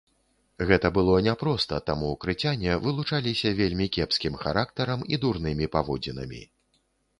Гэта было няпроста, таму крыцяне вылучаліся вельмі кепскім характарам і дурнымі паводзінамі.